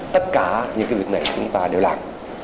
tất cả những cái việc này chúng ta đều làm